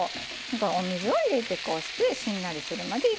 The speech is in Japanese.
お水を入れてこうしてしんなりするまで炒めて下さい。